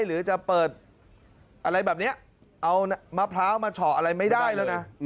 หรือจะเปิดอะไรแบบนี้เอามะพร้าวมาเฉาะอะไรไม่ได้แล้วนะ